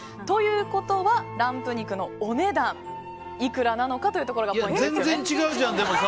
ということは、ランプ肉のお値段いくらなのかというところがポイントです。